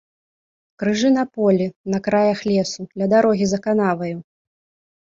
Крыжы на полі, на краях лесу, ля дарогі за канаваю.